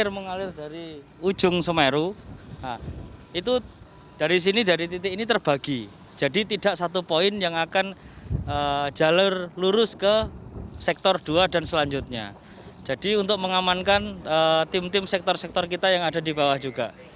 pembangunan pembangunan semeru